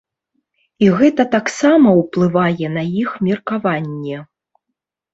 І гэта таксама ўплывае на іх меркаванне.